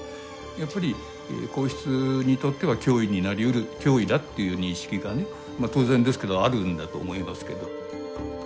やっぱり皇室にとっては脅威になりうる脅威だっていう認識がね当然ですけどあるんだと思いますけど。